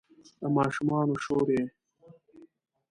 د ماشومانو شور یې